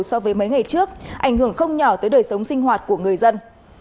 so với mấy ngày trước ảnh hưởng không nhỏ tới đời sống sinh hoạt của người dân